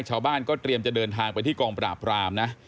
ชาวบ้านก็เตรียมจะเดินทางไปที่กองปราบรามนะ